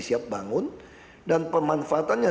siap bangun dan pemanfaatannya